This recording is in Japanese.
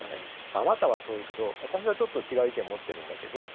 あなたはそう言うけど私はちょっと違う意見を持ってるんだけどとかね。